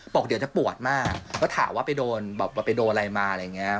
บอกเดี๋ยวจะปวดมากก็ถามว่าไปโดนแบบว่าไปโดนอะไรมาอะไรอย่างนี้